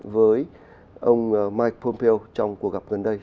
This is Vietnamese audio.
với ông mike pompeo trong cuộc gặp gần đây